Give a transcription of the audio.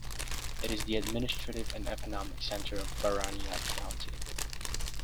It is the administrative and economic centre of Baranya County.